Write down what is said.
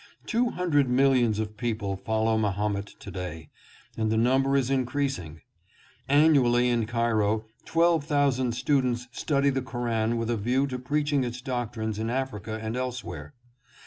Two hundred millions of people follow Mahomet to day, and the number is increasing. Annually in Cairo twelve thousand students study the Koran with a view to preaching its doctrines in Africa and else where.